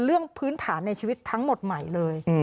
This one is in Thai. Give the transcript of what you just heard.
พื้นฐานในชีวิตทั้งหมดใหม่เลย